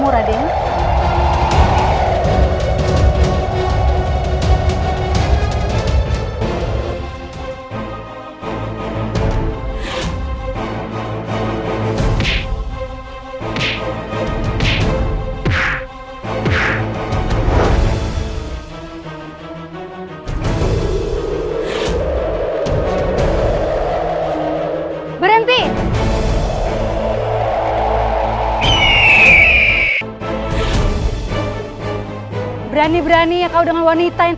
radean radean kian santang